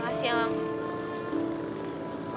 makasih ya lang